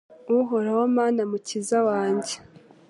Uhoraho Mana Mukiza wanjye